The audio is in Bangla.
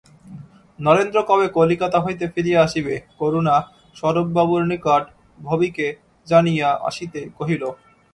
নরেন্দ্র কবে কলিকাতা হইতে ফিরিয়া আসিবে, করুণা স্বরূপবাবুর নিকট ভবিকে জানিয়া আসিতে কহিল।